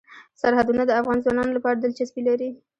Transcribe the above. سرحدونه د افغان ځوانانو لپاره دلچسپي لري.